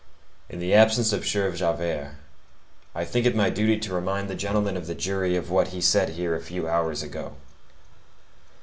"In the absence of sieur Javert, I think it my duty to remind the gentlemen of the jury of what he said here a few hours ago.